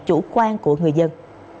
chủ quan của người dân